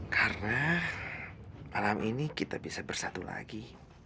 karena malam ini kita bisa bersatu lagi